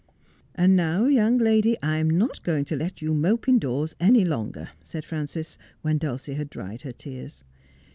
' And now, young lady, I am not going to let you mope in doors any longer,' said Frances, when Dulcie had dried her tears.